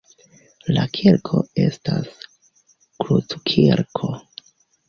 La kirko estas kruckirko.